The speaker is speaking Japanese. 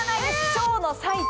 ショーの最中です。